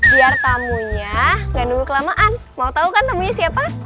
biar tamunya gak nunggu kelamaan mau tau kan nemunya siapa